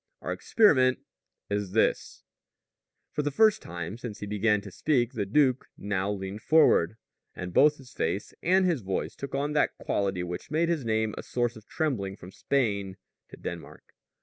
Our experiment is this " For the first time since he began to speak the duke now leaned forward, and both his face and his voice took on that quality which made his name a source of trembling from Spain to Denmark.